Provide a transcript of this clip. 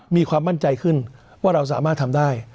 มีความมั่นใจขึ้นว่าเราสามารถทำได้